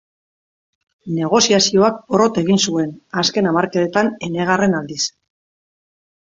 Negoziazioak porrot egin zuen, azken hamarkadetan enegarren aldiz.